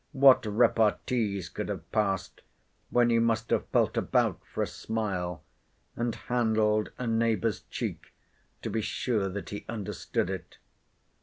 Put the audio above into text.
What repartees could have passed, when you must have felt about for a smile, and handled a neighbour's cheek to be sure that he understood it?